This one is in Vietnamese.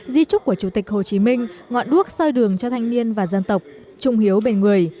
di trúc của chủ tịch hồ chí minh ngọn đuốc soi đường cho thanh niên và dân tộc trung hiếu bên người